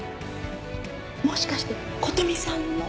もしかして琴美さんの？